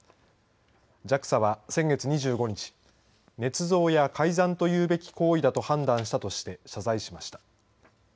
ＪＡＸＡは先月２５日ねつ造や改ざんと言うべき行為だと判断したとして謝罪しました。